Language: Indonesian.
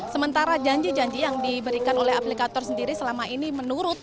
sementara janji janji yang diberikan oleh aplikator sendiri selama ini menurut